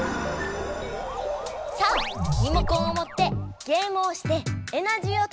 さあリモコンをもってゲームをしてエナジーをためよう！